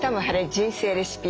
人生レシピ」